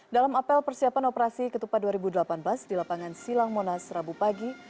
dalam apel persiapan operasi ketupat dua ribu delapan belas di lapangan silang monas rabu pagi